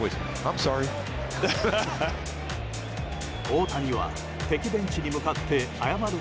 大谷は敵ベンチに向かって謝る